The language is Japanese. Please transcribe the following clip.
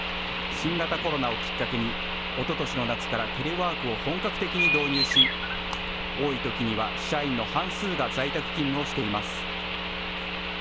新型コロナをきっかけにおととしの夏からテレワークを本格的に導入し多いときには社員の半数が在宅勤務をしています。